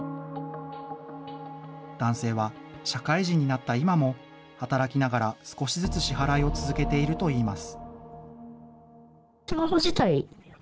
男性は社会人になった今も、働きながら、少しずつ支払いを続けているといいます。